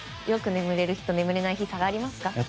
よく眠れる日と眠れない日差がありますか？